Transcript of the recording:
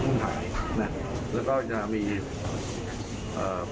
ที่ตอบคำน้องที่สูญชื่อวิทยาบาลอสรรค์ด้วยนะ